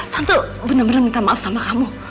tante bener bener minta maaf sama kamu